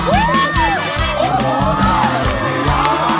ล้อมได้ให้ร้าน